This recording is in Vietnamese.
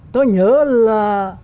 tôi nhớ là